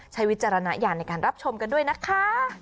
ใช้วิจารณาอย่างในการรับชมกันด้วยนะคะ